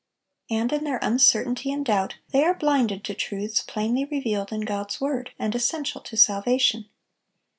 And in their uncertainty and doubt, they are blinded to truths plainly revealed in God's word, and essential to salvation.